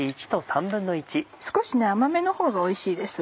少し甘めのほうがおいしいです。